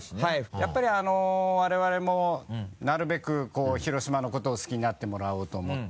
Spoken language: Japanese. やっぱり我々もなるべく広島のことを好きになってもらおうと思って。